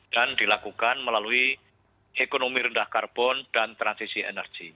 dan dilakukan melalui ekonomi rendah karbon dan transisi energi